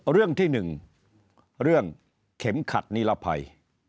เรื่องที่๑เรื่องเข็มขัดนิรภัย